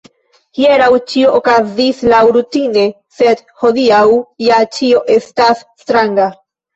Hieraŭ ĉio okazis laŭrutine, sed hodiaŭ ja ĉio estas stranga!